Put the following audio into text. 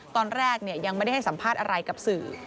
ตอนแรกยังไม่ได้ให้สัมภาษณ์อะไรกับสื่อ